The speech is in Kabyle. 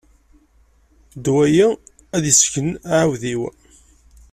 Ddwa-yi ad yesgen aɛidiw.